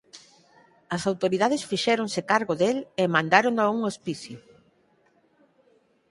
As autoridades fixéronse cargo del e mandárono a un hospicio.